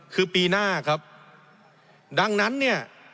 คือปีหน้าครับดังนั้นเนี่ย